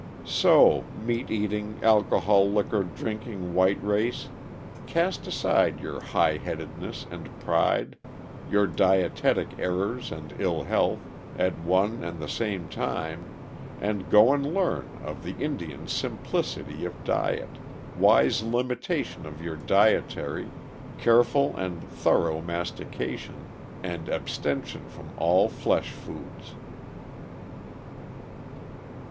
So, meat eating, alcoholic liquor drinking white race, cast aside your high headedness and pride, your dietetic errors and ill health, at one and the same time, and go and learn of the Indian simplicity of diet, wise limitation of your dietary, careful and thorough mastication, and abstention from all flesh foods.